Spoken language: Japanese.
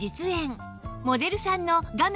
モデルさんの画面